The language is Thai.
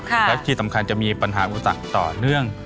และที่สำคัญจะมีปัญหาอุปสรรคต่อเนื่อง